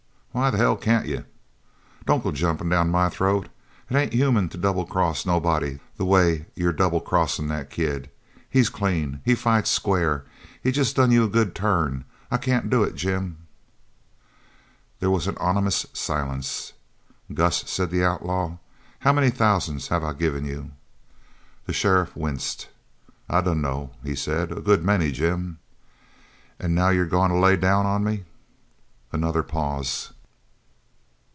"Why the hell can't you?" "Don't go jumpin' down my throat. It ain't human to double cross nobody the way you're double crossin' that kid. He's clean. He fights square. He's jest done you a good turn. I can't do it, Jim." There was an ominous silence. "Gus," said the outlaw, "how many thousand have I given you?" The sheriff winced. "I dunno," he said, "a good many, Jim." "An' now you're goin' to lay down on me?" Another pause.